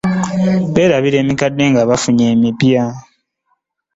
Berabira emikadde nga bafunye emipya .